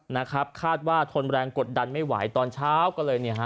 นะครับคาดว่าทนแรงกดดันไม่ไหวตอนเช้าก็เลยเนี่ยฮะ